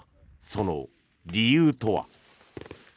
その理由とは。